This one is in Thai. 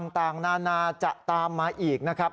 ต่างนานาจะตามมาอีกนะครับ